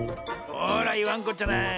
ほらいわんこっちゃない。